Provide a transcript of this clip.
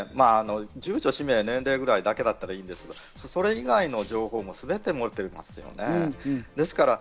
個人情報といっても、住所、氏名、年齢くらいだけだったらいいんですけど、それ以外の情報も、すべて漏れていますよね。